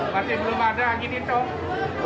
masih belum ada gini dong